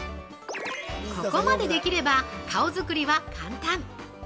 ◆ここまでできれば、顔作りは簡単。